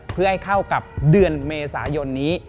เพื่อให้เข้ากับเดือนเมษายนนี้